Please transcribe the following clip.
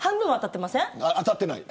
当たってない。